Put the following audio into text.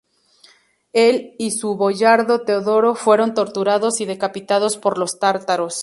Él y su boyardo Teodoro fueron torturados y decapitados por los tártaros.